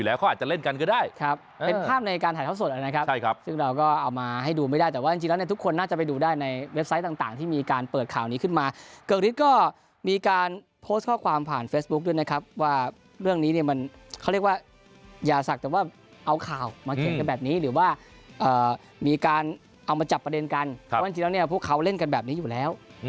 เอามาจับประเด็นกันเพราะว่าทีแล้วพวกเขาเล่นกันแบบนี้อยู่แล้ว